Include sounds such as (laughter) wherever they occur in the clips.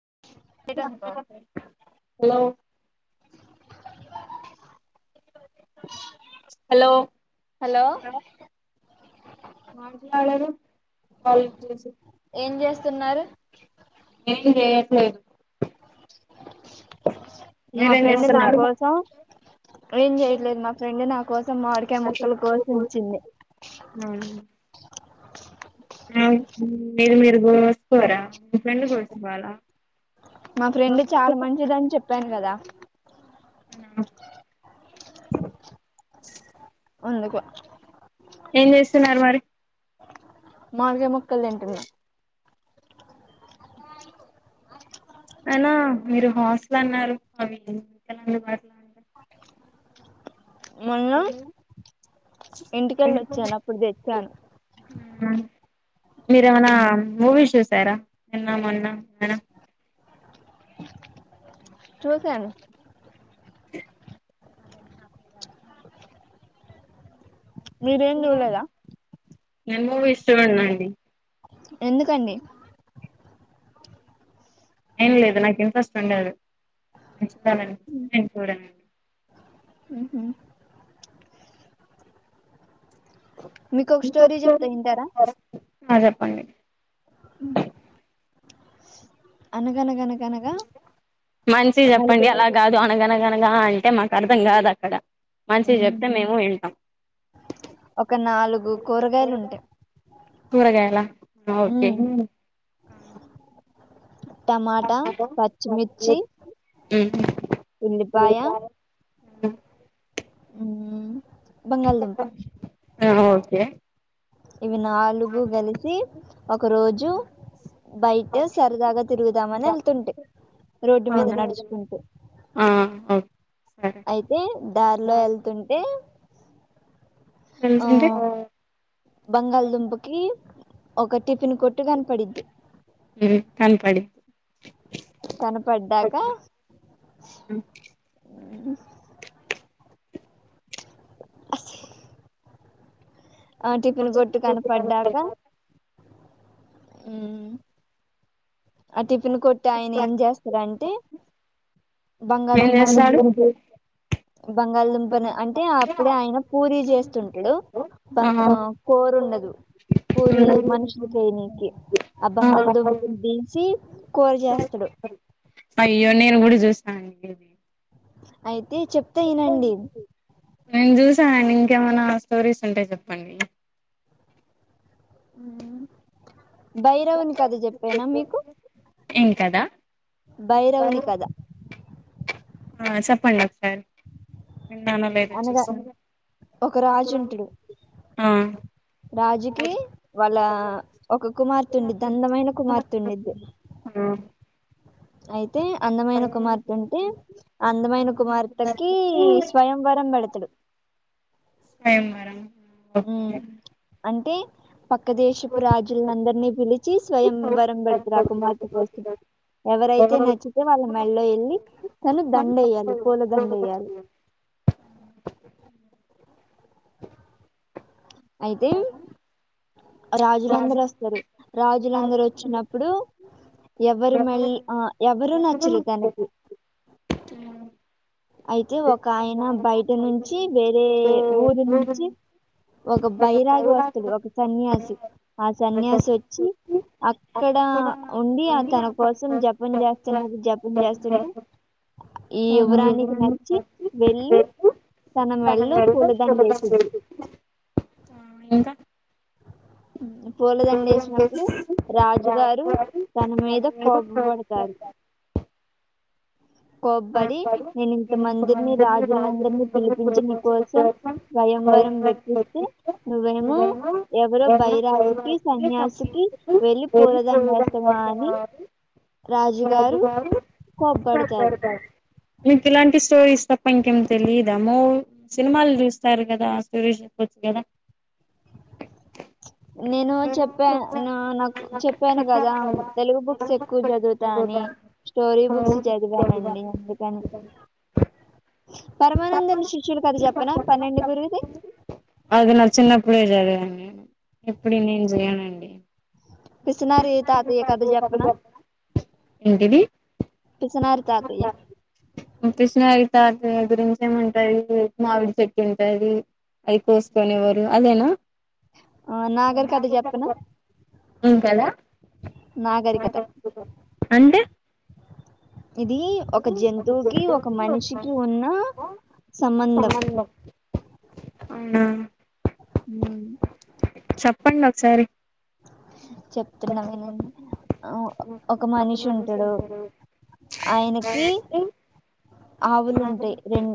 (unintelligible) Hello మాట్లాల్లేదు call చేసి ఏం చేస్తున్నారు ఏది చయట్లేదు మా ఫ్రెండ్ నా కోసం ఏం చెయట్లేదు మా ఫ్రెండ్ నా కోసం మా విడికాయ ముక్కలు కోసించ్చింది హ్మ్ మీరు మీవి కోసుకోరా మీ ఫ్రెండ్ కోసివాలా మా ఫ్రెండ్ చాలా మంచిదని చెప్పాను కదా అనా అందుకు ఏం చేస్తున్నారు మరి మామిడి ము క్కల్ తింటున్నా అయినా మీరు హాస్టల్ అన్నారు అవి ఎలా మాట్లా మొన్న ఇంటికెళ్ళి వచ్చాను అప్పుడు తెచ్చాను మీరేమైనా మూవీస్ చూసారా నన్న మొన్న ఏనా చూసాను మీరేం జుల్లేదా. నేన్ మూవీస్ చూడనండి. ఎందుకండి. ఏం లేదు నాకు ఇంట్రెస్ట్ ఉండదు నేన్ చూడాలని నేన్ చూడన్. మీకు ఒక స్టోరీ చెప్తా ఇంటారా. ఆ జెప్పండి. అనగనగాన. మంచి చెప్పండి అలా గాదు అనగనగా. అనగా అంటే మాకు అర్థం గాదక్కడ. మంచి చెప్తే మేము వింటాం కూరగాయల ఆ ఓకే. టమాటా పచ్చిమిర్చి ఉల్లిపాయ. ఉమ్. ఉమ్. బంగాళదుంప. ఆ ఓకే. ఇవి నాలుగు కలిసి ఒక రోజు బయట సరదాగా తిరుగుదామని వెళ్తుంటే రోడ్డు మీద నడుచుకుంటు. అయితే దారిలో వెళ్తుంటే. ఆ బంగాళదుంపకి ఒక టిఫిన్ కొట్టు కనపడిద్ది. కనపడ్డాక. హమ్. అచ్. ఆ టిఫిన్ గొట్టు కనపడ్డాక. ఉమ్. అటిప్. ప్పిన్ కొట్టయన ఏం చేస్తారంటే. ఏం జెస్సాడు. బంగాళదుంపను అంటే అప్పుడే ఆయన పూరి చేస్తుంటుడు బ ఆ కోరు ఉండదు పూరి మనుషులూజెయానికి ఆ బంగాళదుంపుది. అయ్యో నేను గుడా జూస్త్. అ ఇదేది. ఐ. దే చెప్తే ఇనండీ. నేను చూసానండి ఇంకేమైనా స్టోరీస్ ఉంటే జెప్పండి. ఊహు భైరవుని కథ చెప్పేనా మీకు ఏం కథ భైరవుని కథ ఆ చెప్పండి ఒకసారి విన్నానో లేదో చూస్తాను ఆ రాజుకి వాళ్ళ ఒక కుమార్తె ఉండిద్ది అందమైన కుమార్తె ఉండిద్ది ఆయి తే అందమైన కుమార్తె ఉంటే అందమైన కుమార్తెకి స్వయంవరం పెడతాడు స్వయంవరం ఆ ఓకే పక్క దేశపు రాజుల అందరినీ పిలిచి స్వయంవరం పెడితురు ఆ కుమార్తె కోసం ఎవరైతే నచ్చితే వాళ్ళ మెల్లో వెళ్ళి తను దండ వేయాలి పూల దండ వేయాలి అయితే రాజులందరూ వస్తారు రాజులందరూ వచ్చినప్పుడు ఎవరు మెల్ ఆ ఎవరు నచ్చరు తనకి అయితే ఒక ఆయన బయట నుంచి వేరే ఊరు నుంచి ఒక బైరాగి వస్తడు ఒక సన్యాసి ఆ సన్యాసి వచ్చి అక్కడ ఉండి తన కోసం జపం చేస్తున్నారు జపం చేస్తుంటే ఈ యువరాణికి నచ్చి వెళ్ళి తన మెల్లో పువ్వుల దండ ఎసిది పూలదండేసినప్పుడు రాజుగారు తన మీద కోప పడుతారు కోప్పడి నేను ఇంతమందిని రాజులందరినీ పిలిపించి నీకోసం స్వయంవరం పెట్టిస్తే నువ్వేమో ఎవరో బైరాగికి సన్యాసికి వెళ్ళలి పూలదండ వేస్తావా అని రాజుగారు కోప్పడుతారు మీకు ఇలాంటి స్టోరీస్ తప్ప ఇంకేం తెలియదా మూ సినిమాలు చూస్తారు కదా స్టోరీస్ చెప్పచ్చు కదా నేను చెప్పా నా నాకు చెప్పాను కదా తెలుగు బుక్స్ ఎక్కువ చదువుతా అని స్టోరీ బుక్స్ చదివానండి అందుకని పరమానందను శిష్యులు కథ చెప్పనా పన్నెండు గురుది అవును ఇప్పుడు నేను చేయనండి పిసినారి తాతయ్య కథ చెప్పనా పిసినారి తాతయ్య పిసినారి తాత గురించి ఏమింటాది మామిడి చెట్టు ఉంటాంది అవి కోసుకునేవారు అదేనా ఆ నాగారి కథ చెప్పనా ఏం కథ నాగరికత ఇది ఒక జంతువుకి ఒక మనిషికి ఉన్న సంబంధం అవునా హు సరే చెప్తున్నా వినండి ఒక మనిషి ఉంటాడు ఆయనకి ఆవులుంటాయి రెం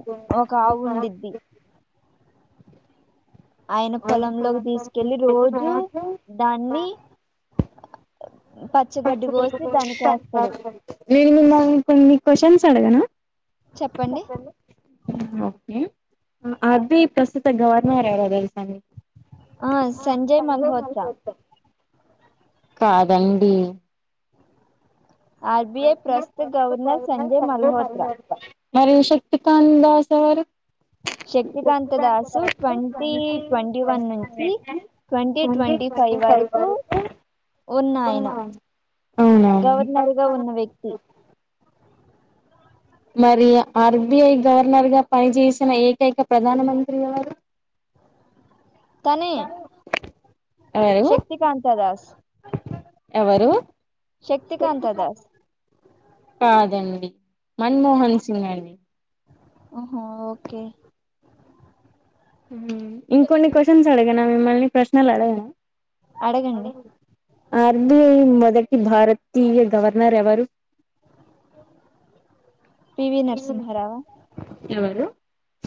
ఒక ఆవు ఉండిద్ది ఆయన పొలంలోకి తీసుకెల్లి రోజూ దాన్ని పచ్చి గడ్డి కోసి దానికి వేస్తాడు నేను నేను కొన్ని క్వశ్చన్స్ అడగన అది ప్రసిద్ గవర్నర్ ఎవరో తెలుసా మీకు ఆ సంజయ్ మల్హోత్ర కాదండి ఆర్బిఐ ప్రస్తు గవర్నర్ సంజయ్ మల్హోత్ర ఎకందా సార్ (unintelligible) ట్వంటీ ట్వంటీఫైవ్ కాబట్టి అవునా ఉన్న వ్యక్తి మరి ఆర్బిఐ గవర్నర్ గా పనిచేసిన ఏకైక ప్రధానమంత్రి ఎవరు తనే శక్తికాంత దాస్ ఎవరు కాదండి మన్మోహన్ సింగ్ అండి ఓహో ఓకే ఇంకొన్ని క్వశ్చన్స్ అడగనా మిమ్మల్ని ప్రశ్నలు అడగనా అడగండి ఆర్బిఐ మొదటి భారతీయ గవర్నర్ ఎవరు పి. వి. నరసింహారవు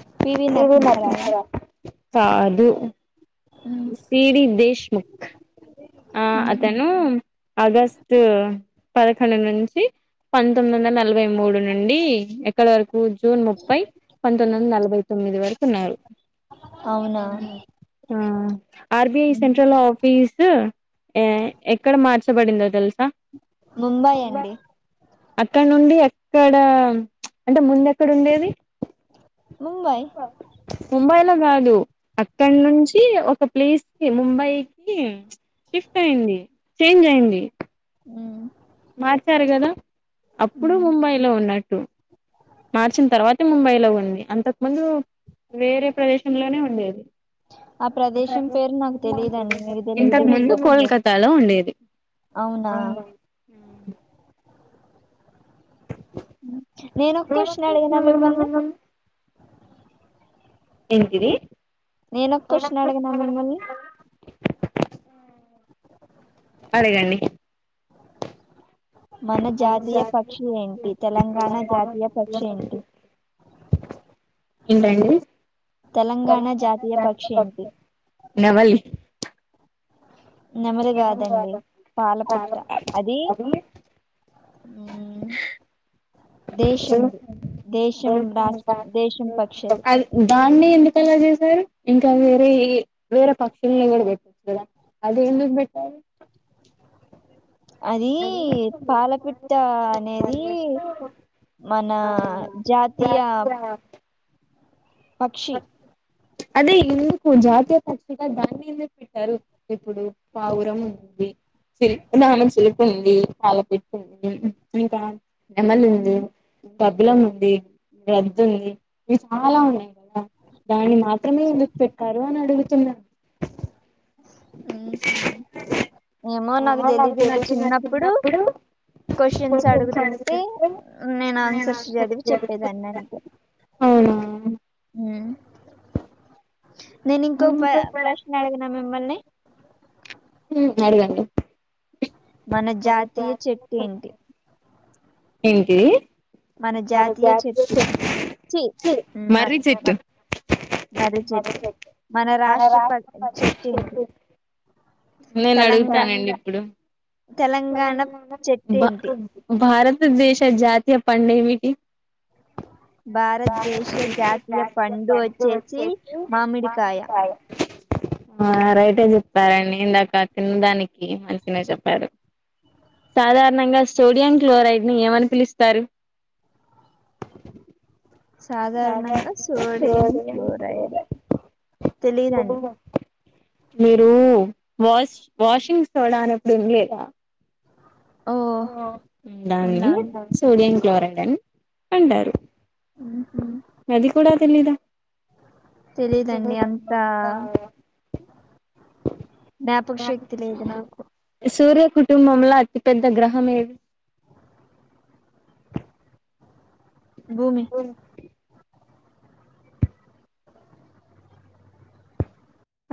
ఆ పి. వి. నరసింహరావు ఆ కాదు సిరి దేశముఖ్ ఆ అతను ఆగస్టు పదకొండు నుంచి పంతొమ్మిది వందల నలభై మూడు నుండి ఎక్కడ వర ఈ జూన్ ముప్పై పంతొమ్మిది వందల మలవైతోమ్మిది వరకు ఉన్నాయ్. హ ఆర్బీ సెంట్రల్ ఆఫీస్ తు ఏ ఎక్కడ మార్చబడిందో తెలుస్ స అక్కడ్నుండి ఎక్ కడ అంటే ముందెక్కడ ఉండేది? ముంబైలో కాదు అక్కడ్నుంచి ఒ ఒక ప్లేస్ కి ముంబైకిి షిఫ్ట్ అయింది. చేంజ్ అయింది. మార్చారు కదా అప్పుడు ముంబై లో ఉన్నట్ ట్టు మార్చిన తర్వాతే ముంబైలో ఉంది. అంతకు ముందు వేరే ప్రదేశంలోనే ఉండేది. ఇంతకు ముందు కోల్కత్ తాలో ఉండేది. అవునా మ్మ్ నేనోకొషన్ అడగనా మిమ్మల్ని? ఏంటిది నేనోకొషన్ అడగన మిమ్మల్ని? అడగండి మన జాతీయ పక్షి ఏంటి? తెలంగాణ జాతీయ పక్షి ఏంటి? ఏంటండి తెలంగాణ జాతీయ పక్షి ఏంటి? నెమలి కాదండి పాలపిట్ట అది దేశంది దేశం రాష్ దేశం పక్షి అది న్నే ఎందుకలా చేసారు ఇంకా వేరే ఏ వేరే పక్షుల్ని కూడా పెట్టచ్చు కదా! అది ఎందుక్ బెట్టారు? అదీ పాలపిట్ట అనేది మన జాతీయ పక్షి అదే ఎందుకు జాతీయ పక్షిగా దాన్నే ఎందుకు పెట్టారు? ఇప్పుడు పావురం ఉంది చిల్ రామమ్ చిలుకుంది పాలపిట్ ఉంది ఇంకా నెమలుంది. గబ్బిలం ఉంది గద్దుంది ఇవి చాలా ఉన్నాయి. ద దాన్ని మాత్రమే ఎందుకు పెట్టారు అని అడుగు తున్నా. ఉహు అవున నాకు తెలీదు నా చిన్నప్పుడు క్వశ్చన్స్ అడుగుతుంటే నేను ఆన్సర్స్ చదివి చెప్పేదాన్ని అంతే వున నేను ఇంకో ప్రశ్న అడగన మిమ్మల్ని నడగడ మన జాతీయ చెట్టు ఏంటి ఏంటి మన జాతీయ చెట్టు చీ మా మర్రిచెట్టు మన రాష్ట్రచెట్టు ఏంటి నేను అడుగుతానండి ఇప్పుడు భ భారత్ మనదేశ జాతీయ పండు ఏంటి భారతదేశ జాతీయ పండు వచ్చేసి మామిడికాయ ఆ రైటే చెప్పారండి ఇందాక తినడానికి అనుకున్న చెప్పారు సాధారణంగా సోడియం క్లోరైడ్ ను ఏమని పిలుస్తారు సాధారణంగా సోడియం క్లోరైడ్ తెలిదండి మీరు వాష్ వాషింగ్ సోడా అని ఎప్పుడు వినలేదా దాన్ని సోడియం క్లోరైడ్ అంటారు అదీ కూడా తెలిదా సూరత్ కుటుంబంలో అతి పెద్ద గ్రహం ఏది భూమి